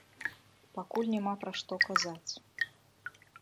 Пакуль няма пра што казаць.